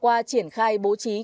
qua triển khai bố trí công an cấp xã